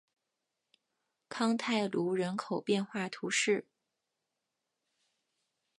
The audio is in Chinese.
康泰卢人口变化图示